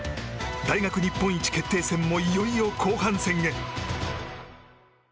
大学日本一決定戦もいよいよ後半戦へ！